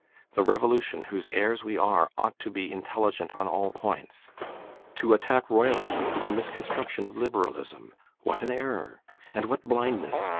The Revolution, whose heirs we are, ought to be intelligent on all points. To attack Royalism is a misconstruction of liberalism. What an error! And what blindness!